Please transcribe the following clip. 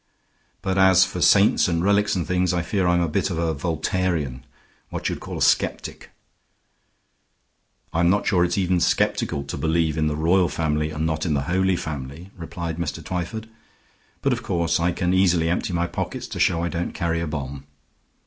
But as for saints and relics and things, I fear I'm a bit of a Voltairian; what you would call a skeptic." "I'm not sure it's even skeptical to believe in the royal family and not in the 'Holy' Family," replied Mr. Twyford. "But, of course, I can easily empty my pockets, to show I don't carry a bomb."